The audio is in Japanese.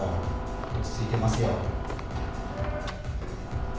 落ち着いてますよ。